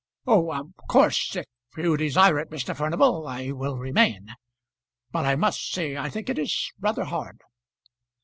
"Oh! of course; if you desire it, Mr. Furnival, I will remain. But I must say I think it is rather hard."